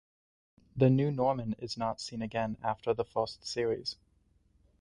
The new Norman is not seen again after the first series.